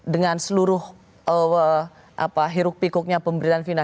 dengan seluruh hiruk pikuknya pemberitaan final